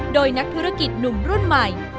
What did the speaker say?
โดยนักธุรกิจหนุ่มรุ่นใหม่